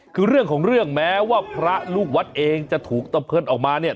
คือเรื่องของเรื่องแม้ว่าพระลูกวัดเองจะถูกตะเพิดออกมาเนี่ย